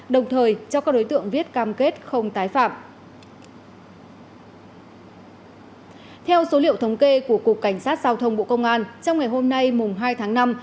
đồng thời cho các đối tượng viết cam kết không tái phạm